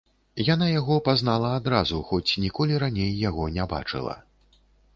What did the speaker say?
Яна яго пазнала адразу, хоць ніколі раней яго не бачыла.